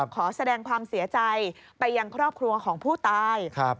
ขอแสดงความเสียใจไปยังครอบครัวของผู้ตาย